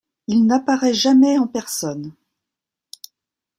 Il n'apparaît jamais en personne.